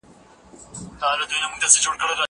زه اجازه لرم چي درسونه لوستل کړم!؟